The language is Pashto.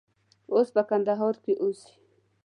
اوس په کندهار کې اوسي.